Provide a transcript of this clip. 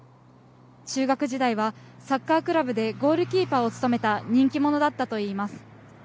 中学時代は、サッカークラブでゴールキーパーを務めた人気者だったといいます。